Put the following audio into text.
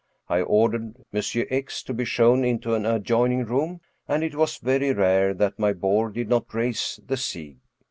I ordered M. X to be shown into an adjoining room, and it was very rare that my bore did not raise the siege.